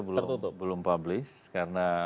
belum publish karena